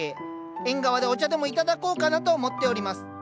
縁側でお茶でも頂こうかなと思っております。